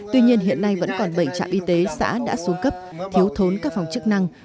tuy nhiên hiện nay vẫn còn bảy trạm y tế xã đã xuống cấp thiếu thốn các phòng chức năng